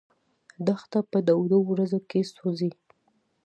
دښته په تودو ورځو کې سوځي.